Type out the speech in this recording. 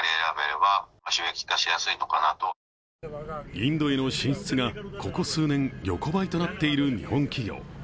インドへの進出がここ数年横ばいとなっている日本企業。